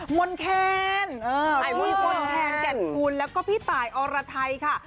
มนแคนพี่มนแคนแก่นคุณแล้วก็พี่ตายอรไทยค่ะ